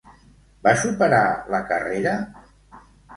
Va superar la carrera?